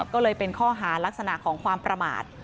ก็เลยเป็นข้อหารักษณะของความประมาท